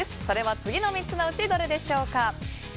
それは次の３つのうちどれでしょうか？